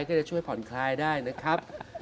ก็จะช่วยผ่อนคลายได้นะครับ